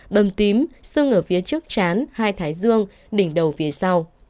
bầm tím sưng ở phía trước chán hai thái dương đỉnh đầu phía sau